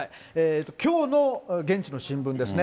きょうの現地の新聞ですね。